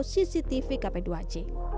di sisi tv kp dua c